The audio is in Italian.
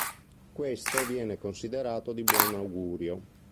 Questo viene considerato di buon augurio.